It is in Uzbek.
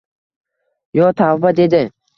«Yo tavba! — dedi